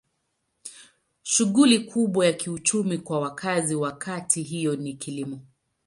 Shughuli kubwa ya kiuchumi kwa wakazi wa kata hiyo ni kilimo.